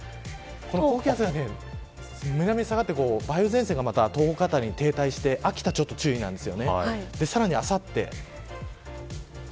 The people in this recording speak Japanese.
高気圧が南に下がって梅雨前線がまた東北辺りに停滞して秋田辺りは注意なんです。